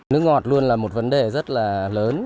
nước ngọt luôn là một vấn đề rất là lớn